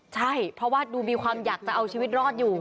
ใช่เพราะว่าดูมีความอยากจะเอาชีวิตรอดอยู่